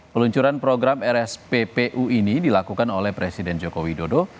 peluncuran program rsppu ini dilakukan oleh presiden joko widodo